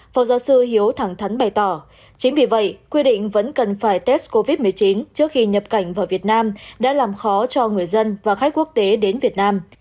phó giáo sư hiếu thẳng thắn bày tỏ chính vì vậy quy định vẫn cần phải test covid một mươi chín trước khi nhập cảnh vào việt nam đã làm khó cho người dân và khách quốc tế đến việt nam